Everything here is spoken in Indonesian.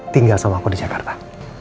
tinggal sama aku di jakarta